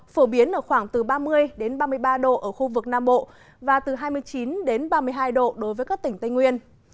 phổ biến ở khoảng từ ba mươi ba mươi ba độ ở khu vực nam bộ và từ hai mươi chín ba mươi hai độ đối với các tỉnh tây nguyên